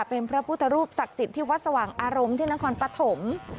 เป็นพระพุทธรูปศักดิ์สิทธิ์ที่วัดสว่างอารมณ์ที่นครปฐม